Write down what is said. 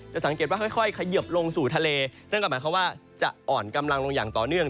สังเกตว่าค่อยเขยิบลงสู่ทะเลนั่นก็หมายความว่าจะอ่อนกำลังลงอย่างต่อเนื่อง